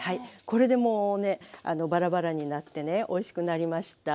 これでもうねバラバラになってねおいしくなりました。